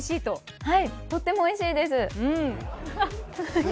とってもおいしいです！